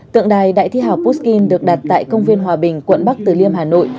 tượng đài đại thi hào puskin được đặt tại công viên hòa bình quận bắc từ liêm hà nội